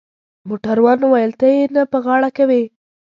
موټروان وویل: ته يې نه په غاړه کوې؟